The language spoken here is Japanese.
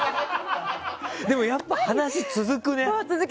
でも、やっぱり話続くね。